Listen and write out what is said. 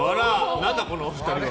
何だ、この２人は。